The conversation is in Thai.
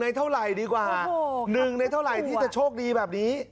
เท่าไหร่ดีกว่า๑ในเท่าไหร่ที่จะโชคดีแบบนี้